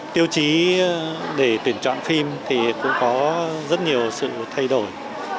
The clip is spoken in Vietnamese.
tiêu chí để tuyển chọn phim thì cũng có rất nhiều sự thay đổi